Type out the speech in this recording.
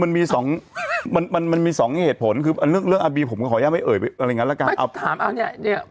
บ้านแชทมันก็ทำได้